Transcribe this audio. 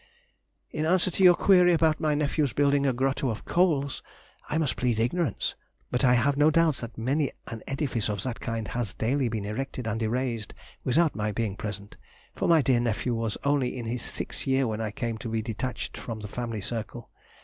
In answer to your query about my nephew's building a grotto of coals I must plead ignorance, but have no doubt many an edifice of that kind has daily been erected and erased without my being present, for my dear nephew was only in his sixth year when I came to be detached from the family circle.